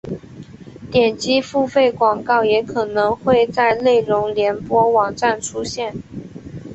点击付费广告也可能会在内容联播网站出现。